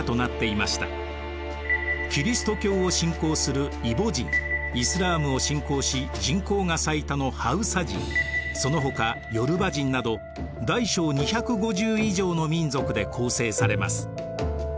キリスト教を信仰するイボ人イスラームを信仰し人口が最多のハウサ人そのほかヨルバ人など大小２５０以上の民族で構成されます。